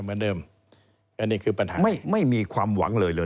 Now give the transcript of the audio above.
อันนี้คือปัญหาไม่มีความหวังเลยเหรอ